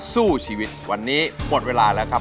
สู้ชีวิตวันนี้หมดเวลาแล้วครับ